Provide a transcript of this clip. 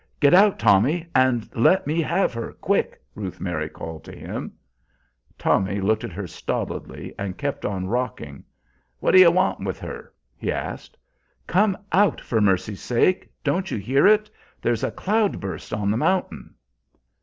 "Get out, Tommy, and let me have her, quick!" Ruth Mary called to him. Tommy looked at her stolidly and kept on rocking. "What you want with her?" he asked. "Come out, for mercy's sake! Don't you hear it? There's a cloud burst on the mountain."